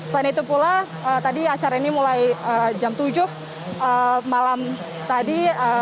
selain itu pula tadi acara ini mulai jam tujuh malam tadi